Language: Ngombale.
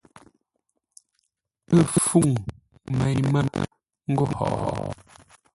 Pə́ fûŋ mêi mə́ ńgó hó?